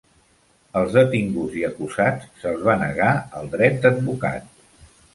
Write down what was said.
Als detinguts i acusats se'ls va negar el dret d'advocat.